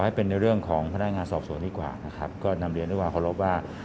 ให้เป็นในเรื่องของพนักงานสอบสวนดีกว่านะครับก็นำเรียนด้วยความเคารพว่า